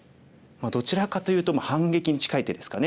どちらかというと反撃に近い手ですかね。